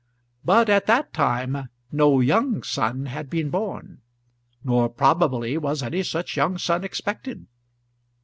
But at that time no young son had been born, nor, probably, was any such young son expected.